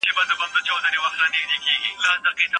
که خاوند د ساتيري حق لري، نو ميرمن هم د ساتيري حق لري